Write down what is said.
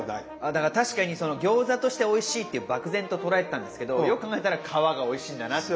だから確かにその餃子としておいしいっていう漠然と捉えてたんですけどよく考えたら皮がおいしいんだなって。